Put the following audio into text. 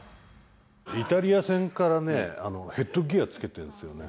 イタリア戦からね、ヘッドギアつけてるんですよね。